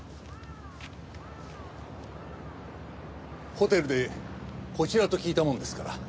ホテルでこちらと聞いたもんですから。